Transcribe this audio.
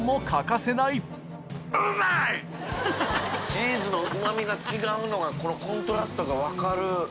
チーズのうま味が違うのがこのコントラストが分かる。